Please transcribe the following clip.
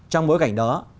trong bối cảnh đó